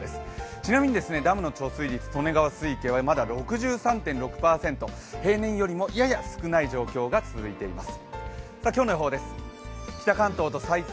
ちなみに、ダムの貯水率、利根川水系はまだ６３．６％、平年よりもやや少ない状況が続いています。